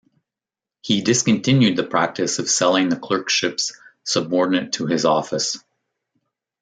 He discontinued the practice of selling the clerkships subordinate to his office.